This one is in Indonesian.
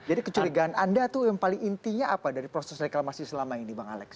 kecurigaan anda tuh yang paling intinya apa dari proses reklamasi selama ini bang alex